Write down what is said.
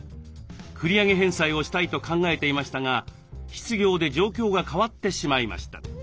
繰り上げ返済をしたいと考えていましたが失業で状況が変わってしまいました。